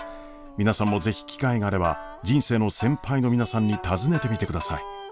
皆さんも是非機会があれば人生の先輩の皆さんに尋ねてみてください。